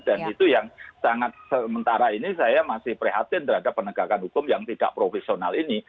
dan itu yang sangat sementara ini saya masih prihatin terhadap penegakan hukum yang tidak profesional ini